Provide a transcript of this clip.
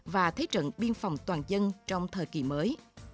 và thế trận biên phòng toàn dân trong thời kỳ mới